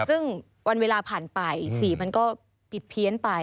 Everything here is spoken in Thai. ซึ่งวันเวลาผ่านไปสีมันก็ผิดเพี้ยนไป